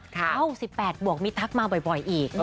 เข้า๑๘บวกมีทักมาบ่อยอีก